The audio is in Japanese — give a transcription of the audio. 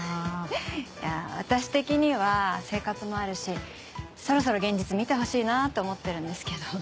いや私的には生活もあるしそろそろ現実見てほしいなって思ってるんですけど。